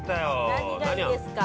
◆何がいいですか。